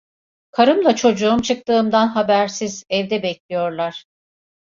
Karımla çocuğum çıktığımdan habersiz, evde bekliyorlar…